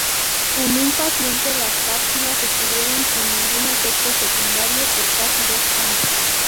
En un paciente las cápsulas estuvieron sin ningún efecto secundario, por casi dos años.